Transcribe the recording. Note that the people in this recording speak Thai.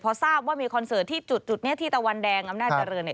เพราะทราบว่ามีคอนเซิร์ตที่จุดที่ตะวันแดงอำนาจเตอร์เริน